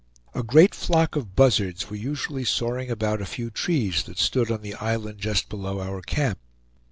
A great flock of buzzards were usually soaring about a few trees that stood on the island just below our camp.